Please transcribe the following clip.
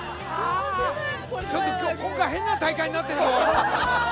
ちょっと今日今回変な大会になってるぞ。